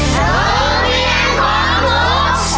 รู้ว่ามีอันของครู